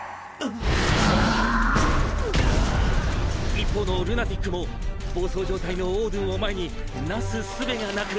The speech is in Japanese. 「一方のルナティックも暴走状態のオードゥンを前になす術がなく」。